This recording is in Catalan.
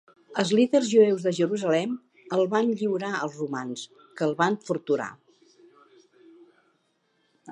Els líders jueus de Jerusalem el van lliurar als romans, que el van torturar.